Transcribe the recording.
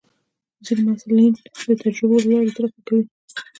ځینې محصلین د تجربو له لارې زده کړه کوي.